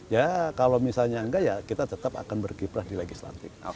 ya kalau misalnya enggak ya kita tetap akan berkiprah di legislatif